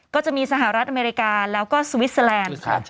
สหรัฐอเมริกาแล้วก็สวิสเตอร์แลนด์